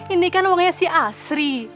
ini kan uangnya sih asri